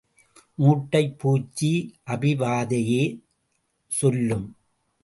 மூட்டைப் பூச்சி அபிவாதயே சொல்லும்.